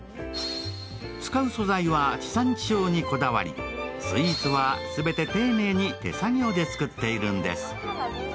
使う素材は地産地消にこだわり、スイーツは全て丁寧に手作業で作っているんです。